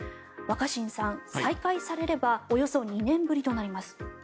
若新さん、再開されればおよそ２年ぶりとなります。